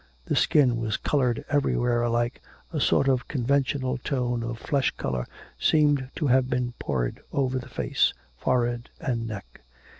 The skin was coloured everywhere alike, a sort of conventional tone of flesh colour seemed to have been poured over the face, forehead, and neck.